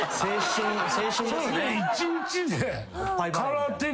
青春ですね。